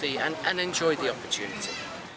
menjadi sehat dan menikmati peluang ini